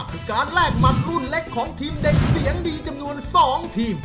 คือการแลกหมัดรุ่นเล็กของทีมเด็กเสียงดีจำนวน๒ทีม